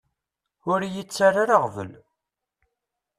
Ur iyi-ttara ara aɣbel.